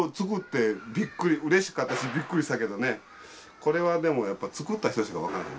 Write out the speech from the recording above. これはでもやっぱり作った人しか分からへんな。